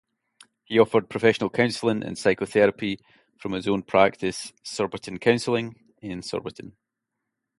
He offered professional counselling and psychotherapy from his own practice, Surbiton Counselling, in Surbiton.